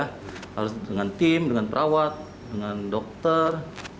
harus dengan tim dengan perawat dengan dokter